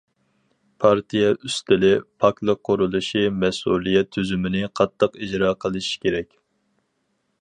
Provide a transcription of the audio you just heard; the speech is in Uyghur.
پارتىيە ئىستىلى، پاكلىق قۇرۇلۇشى مەسئۇلىيەت تۈزۈمىنى قاتتىق ئىجرا قىلىش كېرەك.